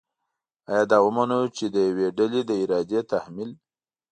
آیا دا ومنو چې د یوې ډلې د ارادې تحمیل